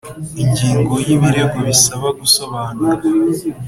Ingingo ya Ibirego bisaba gusobanura